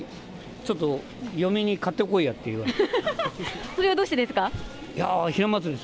ちょっと嫁に買ってこいやと言われて。